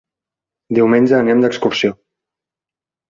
Diumenge anem d'excursió.